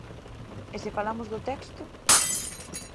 E se falamos do texto?